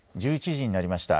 １１時になりました。